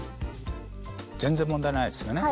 全然問題ないですよね。